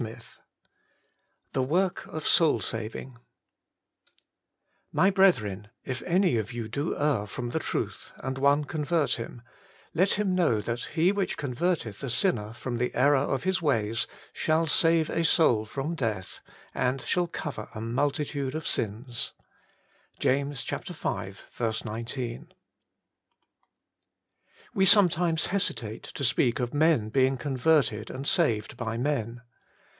XXVIII XTbe mork of ^onUSaviwQ ' My brethren, if any of 3^011 do err from the truth, and one convert him, let him know that he which converteth a sinner from the error of his ways shall save a soul from death, and shall cover a multitude of sins.' — Jas. v. 19. WE sometimes hesitate to speak of men being converted and saved by men.